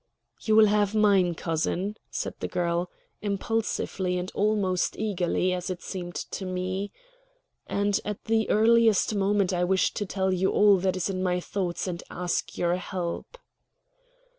"You will have mine, cousin," said the girl, impulsively and almost eagerly, as it seemed to me. "And at the earliest moment I wish to tell you all that is in my thoughts and to ask your help."